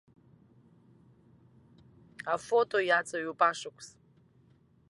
Афото иаҵаҩуп ашықәс.